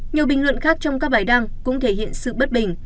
nhiều bình luận khác trong các bài đăng cũng thể hiện sự bất bình